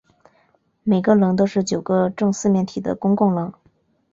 每个棱都是九个正四面体的公共棱。